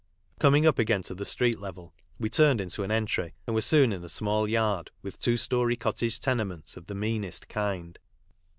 . Coming up again to the street level we turned into an entry, and were soon in a small yard with two storey cottage tenements of the meanest kind.